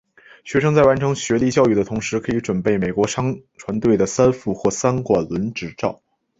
学生在完成学历教育的同时可以准备美国商船队的三副或三管轮执照。